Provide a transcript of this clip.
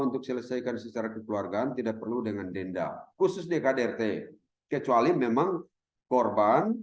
untuk selesaikan secara kekeluargaan tidak perlu dengan denda khusus dkdrt kecuali memang korban